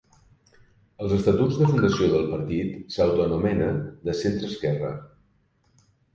Als estatuts de fundació del partit s'autoanomena de centreesquerra.